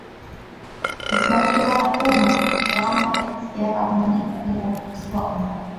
kukubaliwa na duma Vyama vya kisiasa muhimu ni Urusi wa Umoja